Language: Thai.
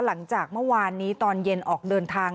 หลังจากเมื่อวานนี้ตอนเย็นออกเดินทาง